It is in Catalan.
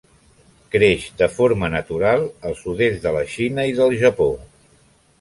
Creix de forma natural al sud-est de la Xina i del Japó.